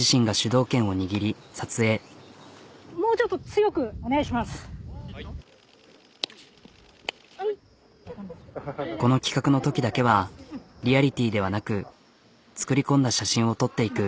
カシャカシャカシャこの企画のときだけはリアリティーではなく作り込んだ写真を撮っていく。